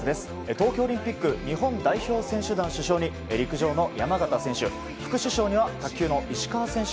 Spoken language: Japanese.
東京オリンピック日本代表選手団主将に陸上の山縣選手。